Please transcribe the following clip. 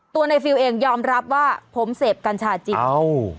ตัวในฟิลล์เองยอมรับว่าผมเสพกัญชาจิตอ้าว